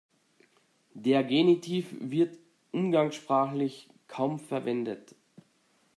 Der Genitiv wird umgangssprachlich kaum verwendet.